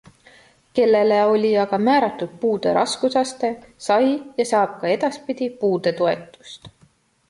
Kellele oli aga määratud puude raskusaste, sai ja saab ka edaspidi puudetoetust.